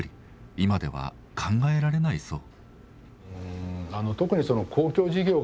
今では考えられないそう。